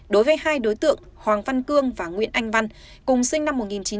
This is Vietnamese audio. đối với hai đối tượng hoàng văn cương và nguyễn anh văn cùng sinh năm một nghìn chín trăm tám mươi